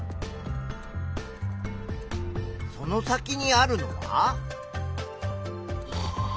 その先にあるのは。